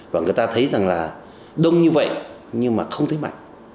và người ta thấy rằng là đông như vậy nhưng mà không thấy mạnh